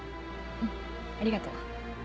うんありがとう。